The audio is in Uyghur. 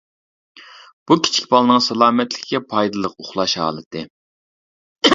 بۇ كىچىك بالىنىڭ سالامەتلىكىگە پايدىلىق ئۇخلاش ھالىتى.